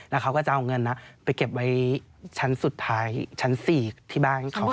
แล้วเขาก็จะเอาเงินไปเก็บไว้ชั้นสุดท้ายชั้น๔ที่บ้านเขา